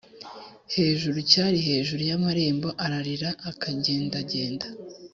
hejuru cyari hejuru y amarembo ararira Akagendagenda